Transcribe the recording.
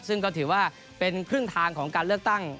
ซึ่งก็ถือว่าเป็นครึ่งทางของการเลือกตั้ง